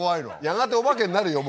やがてお化けになるよ